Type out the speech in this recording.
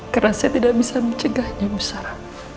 karena saya tidak bisa mencegahnya musara